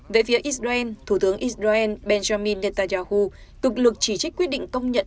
về phía israel thủ tướng israel benjamin netanyahu cực lực chỉ trích quyết định công nhận